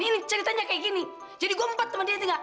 ini ceritanya kayak gini jadi gue empat teman dia tiga